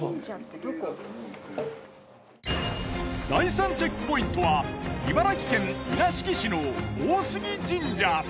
第３チェックポイントは茨城県稲敷市の大杉神社。